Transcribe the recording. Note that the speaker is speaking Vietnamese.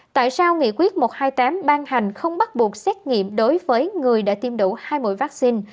tại sao nghị quyết một trăm hai mươi tám ban hành không bắt buộc xét nghiệm đối với người đã tiêm đủ hai mũi vaccine